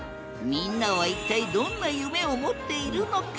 みんなは一体どんな夢を持っているのか？